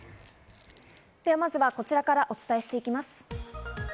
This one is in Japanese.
まずはこちらからお伝えしていきます。